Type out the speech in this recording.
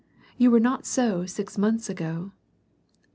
You were not so six months ago."